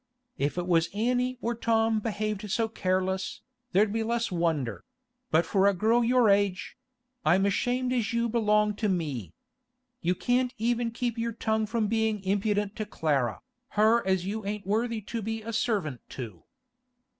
If it was Annie or Tom behaved so careless, there'd be less wonder; but for a girl of your age—I'm ashamed as you belong to me! You can't even keep your tongue from bein' impudent to Clara, her as you ain't worthy to be a servant to!